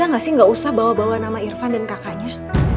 kamu bisa gak sih gak usah bawa bawa nama irfan dan kakaknya